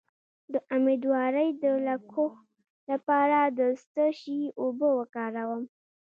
د امیدوارۍ د لکو لپاره د څه شي اوبه وکاروم؟